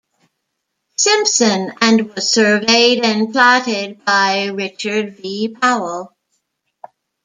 Simpson and was surveyed and platted by Richard V. Powell.